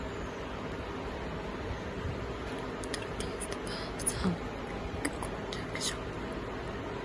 As a result, all newly introduced verbs have the weak conjugation.